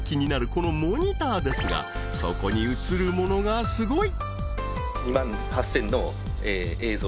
このモニターですがそこに映るものがスゴい！